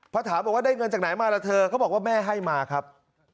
พอถามบอกว่าได้เงินจากไหนมาล่ะเธอเขาบอกว่าแม่ให้มาครับ